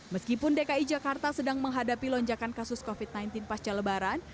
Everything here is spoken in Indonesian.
meskipun dki jakarta sedang menghadapi lonjakan kasus covid sembilan belas pasca lebaran